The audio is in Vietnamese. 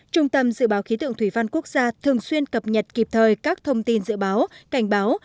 trung tâm dự báo khí tượng thủy văn quốc gia thường xuyên cập nhật kịp thời các thông tin dự báo cảnh báo